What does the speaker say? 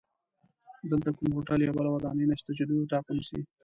دلته کوم هوټل یا بله ودانۍ نشته چې دوی اتاق ونیسي.